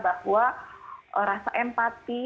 bahwa rasa empati